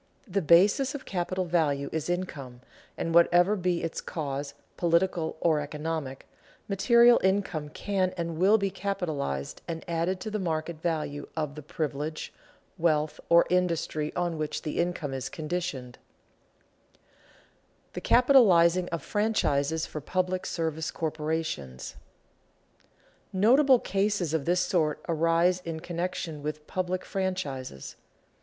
The basis of capital value is income, and whatever be its cause, political or economic, material income can and will be capitalized and added to the market value of the privilege, wealth, or industry on which the income is conditioned. [Sidenote: The capitalizing of franchises for public service corporations] Notable cases of this sort arise in connection with public franchises.